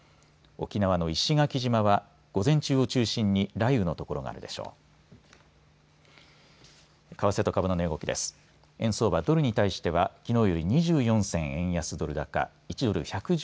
沖縄の石垣島は午前中を中心に雷雨の所があるでしょう。